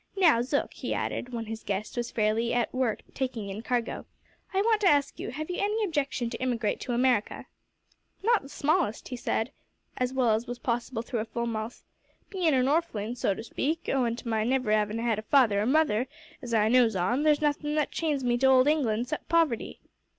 Now, Zook," he added, when his guest was fairly at work taking in cargo, "I want to ask you have you any objection to emigrate to America?" "Not the smallest," he said, as well as was possible through a full mouth. "Bein' a orphling, so to speak, owin' to my never 'avin' 'ad a father or mother as I knows on there's nothin' that chains me to old England 'cept poverty."